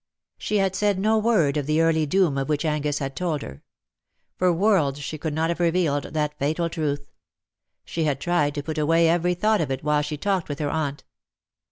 She had said no word of that early doom of which Angus had told her. For worlds she could not have revealed that fatal truth. She had tried to put away every thought of it while she talked with her aunt.